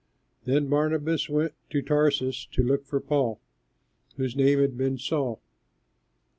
Then Barnabas went to Tarsus to look for Paul, whose name had been Saul.